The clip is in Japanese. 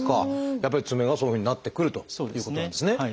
やっぱり爪がそういうふうになってくるということなんですね。